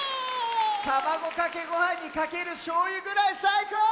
たまごかけごはんにかけるしょうゆぐらいさいこう！